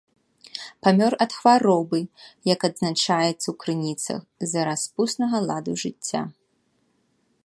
Памёр ад хваробы, як адзначаецца ў крыніцах, з-за распуснага ладу жыцця.